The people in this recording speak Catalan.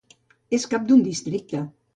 És cap d'un districte.